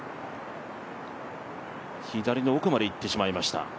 左の奥までいってしまいました。